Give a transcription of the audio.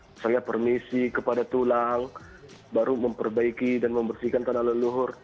misalnya permisi kepada tulang baru memperbaiki dan membersihkan tanah leluhur